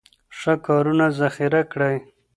ښه کارونه ذخیره کړئ.